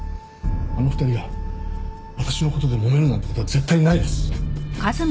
あの２人が私の事でもめるなんて事は絶対にないです！